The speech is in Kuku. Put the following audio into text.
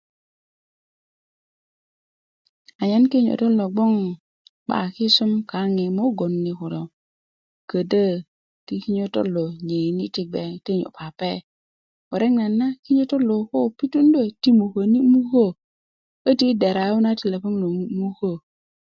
anyen kinyotot lo gnoŋ 'ba kisum kaaŋ yi mugun ni kulo köti kinyotot nyöyini' ti nyu pape murek nayi na ko kinyotot lo ko pitundö ti muköni' mukö köti' yi dera yu ti lepeŋ lo muumukö